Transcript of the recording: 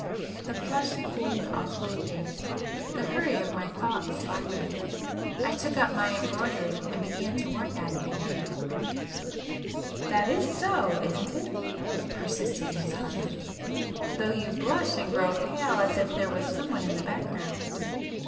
The flush cooled off my face, the hurry of my thoughts slackened, I took up my embroidery and began to work at it again. "That is so, isn't it?" persisted Miss Harland "Though you blush and grow pale as if there was someone in the background."